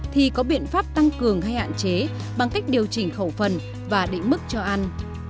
thì có biện pháp tăng cường hay hạn chế bằng cách điều chỉnh khẩu phần và định mức cho ăn